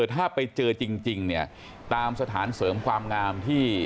ถ้าไปเจอจริงเนี่ยตามสถานเสริมความงามที่